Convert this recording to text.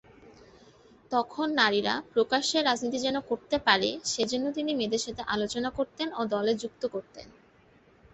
তখন নারীরা প্রকাশ্যে রাজনীতি যেন করতে পারে সেজন্য তিনি মেয়েদের সাথে আলোচনা করতেন ও দলে যুক্ত করতেন।